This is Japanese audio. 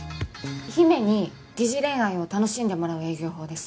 姫に疑似恋愛を楽しんでもらう営業法です。